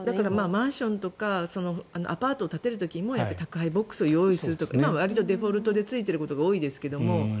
マンションとかアパートを建てる時も宅配ボックスを用意するとか今はわりとデフォルトでついていることが多いですが。